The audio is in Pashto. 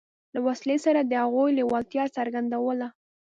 له وسلې سره د هغوی لېوالتیا څرګندوله.